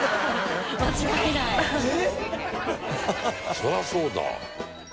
そりゃそうだ。